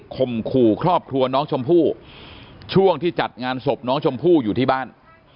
มขู่ครอบครัวน้องชมพู่ช่วงที่จัดงานศพน้องชมพู่อยู่ที่บ้าน